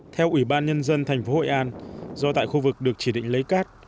theo ủy ban nhân dân thành phố hội an do tại khu vực được chỉ định lấy cát